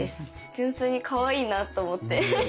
純粋にかわいいなと思って。